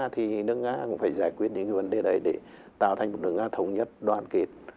thì nước nga cũng phải giải quyết những cái vấn đề đấy để tạo thành một nước nga thống nhất đoàn kết